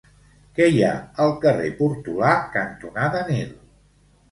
Què hi ha al carrer Portolà cantonada Nil?